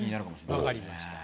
分かりました。